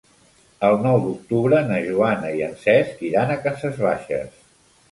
El nou d'octubre na Joana i en Cesc iran a Cases Baixes.